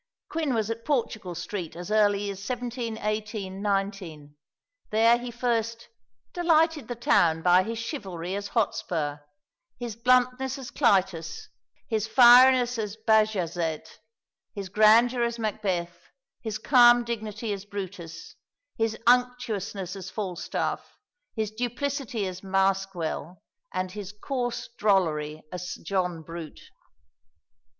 Quin was at Portugal Street as early as 1718 19. There he first "delighted the town by his chivalry as Hotspur, his bluntness as Clytus, his fieriness as Bajazet, his grandeur as Macbeth, his calm dignity as Brutus, his unctuousness as Falstaff, his duplicity as Maskwell, and his coarse drollery as Sir John Brute."